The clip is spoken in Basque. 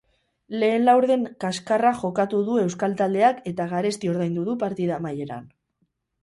Lehen laurden kaskarra jokatu du euskal taldeak eta garesti oradindu du patida amaieran.